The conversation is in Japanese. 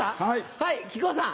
はい木久扇さん。